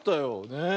ねえ。